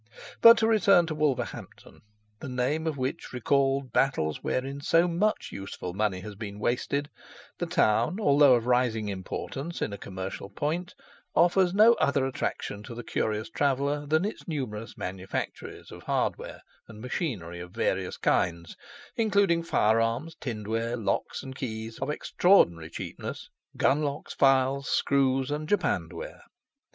But to return to Wolverhampton, the name of which recalled battles wherein so much useful money has been wasted, the town, although of rising importance in a commercial point, offers no other attraction to the curious traveller than its numerous manufactories of hardware, and machinery of various kinds, including firearms, tinned ware, locks and keys, of extraordinary cheapness, gun locks, files, screws, and japanned ware.